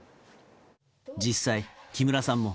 実際、木村さんも。